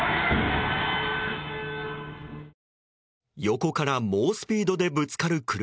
横から猛スピードでぶつかる車。